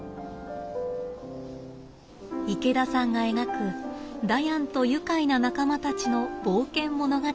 池田さんが描くダヤンと愉快な仲間たちの冒険物語。